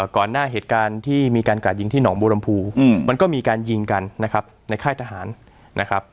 ก่อนหน้าเหตุการณ์ที่มีการกราดยิงที่หนองบัวลำพูมันก็มีการยิงกันนะครับในค่ายทหารนะครับ